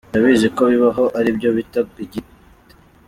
Ndabizi ko bibaho ari byo bita giti.